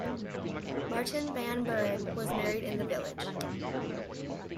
Martin van Buren was married in the village.